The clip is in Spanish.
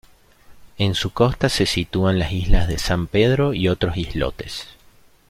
En su costa se sitúan las Islas de San Pedro y otros islotes.